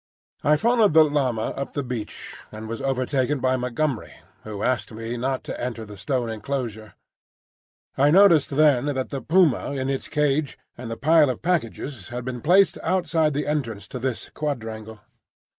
I followed the llama up the beach, and was overtaken by Montgomery, who asked me not to enter the stone enclosure. I noticed then that the puma in its cage and the pile of packages had been placed outside the entrance to this quadrangle.